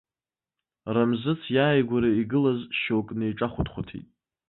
Рамзыц иааигәара игылаз шьоук неиҿахәыҭхәыҭит.